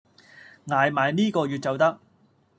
捱埋呢個月就得